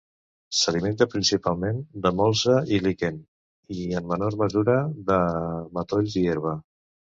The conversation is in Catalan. S'alimenta principalment de molsa i liquen i, en menor mesura, de matolls i herba.